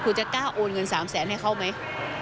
คุณจะกล้าโอนเงิน๓แสนให้เขาไหม